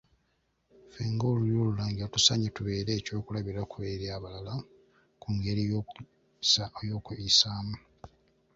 Ffe ng'Olulyo Olulangira tusaanye tubeere eky'okulabirako eri abalala ku ngeri y'okweyisaamu.